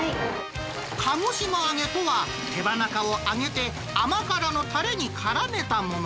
鹿児島揚げとは、手羽中を揚げて、甘辛のたれにからめたもの。